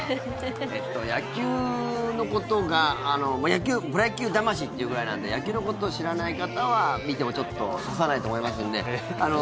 野球のことがプロ野球魂っていうぐらいなんで野球のことを知らない方は見てもちょっと刺さらないと思いますので。